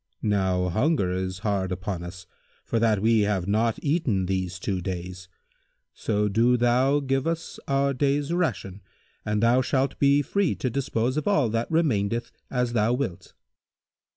Now hunger is hard upon us, for that we have not eaten these two days; so do thou give us our day's ration and thou shalt be free to dispose of all that remaineth as thou wilt."